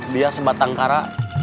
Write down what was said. dia sebatang kara